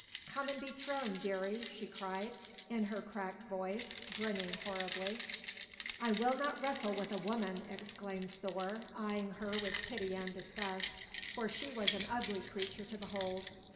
"Come and be thrown, dearie," she cried in her cracked voice, grinning horribly. "I will not wrestle with a woman!" exclaimed Thor, eyeing her with pity and disgust, for she was an ugly creature to behold.